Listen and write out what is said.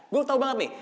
gue tau banget nih